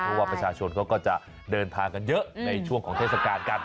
เพราะว่าประชาชนเขาก็จะเดินทางกันเยอะในช่วงของเทศกาลกัน